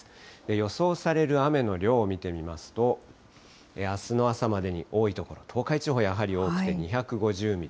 予想される雨の量を見てみますと、あすの朝までに多い所、東海地方、やはり多くて２５０ミリ。